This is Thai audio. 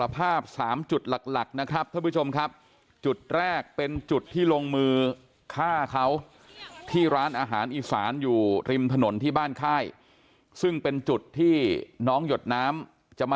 ที่คอยช่วยเหลือนะครับขอบคุณมากครับ